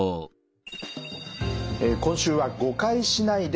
今週は「誤解しないで！